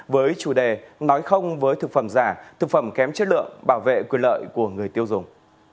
với chủ đề nói không với thực phẩm giả thực phẩm kém chất lượng bảo vệ quyền lợi của người tiêu dùng